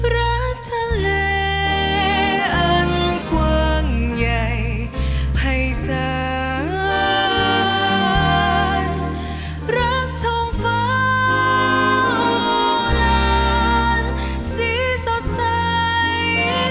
รักทะเลอันกว้างใหญ่ภัยศาลรักชมฟ้าลานสีสดใส